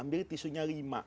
ambil tisunya lima